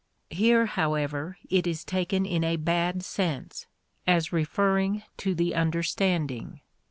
Here, however, it is taken in a bad sense, as referring to the understanding.